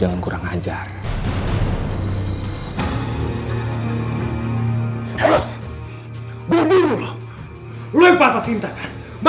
apa yang harus biar